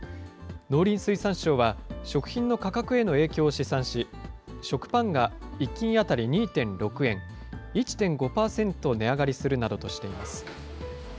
農林水産省は食品の価格への影響を試算し、食パンが１斤当たり２．６円、１．５％値上がりするなどとしています。